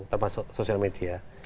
termasuk sosial media